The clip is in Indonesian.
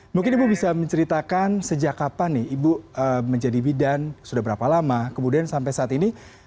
mungkin ibu bisa menceritakan sejak kapan nih ibu menjadi bidan sudah berapa lama kemudian sampai saat ini